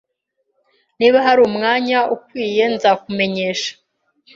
Niba hari umwanya ukwiye, nzakumenyesha.